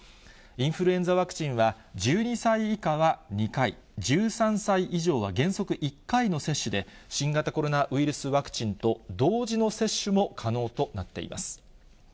インフルエンザワクチンは、１２歳以下は２回、１３歳以上は原則１回の接種で、新型コロナウイルスワクチンと同時の接種も可能となっています。